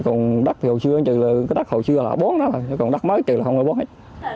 còn đất thì hồi xưa cái đất hồi xưa là bốn đó thôi còn đất mới thì không có bốn hết